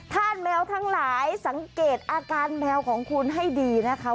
ถ้าแมวทั้งหลายสังเกตอาการแมวของคุณให้ดีนะคะ